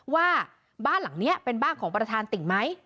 ว่าบ้านหลังนี้เป็นบ้านของประธานติ่งไหม